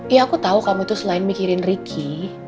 ya aku tahu kamu itu selain mikirin ricky